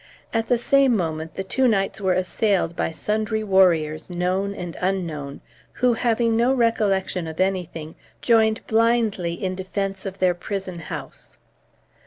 At the same moment the two knights were assailed by sundry warriors, known and unknown, who, having no recollection of anything, joined blindly in defence of their prison house.